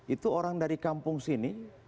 itu orang dari kampung sini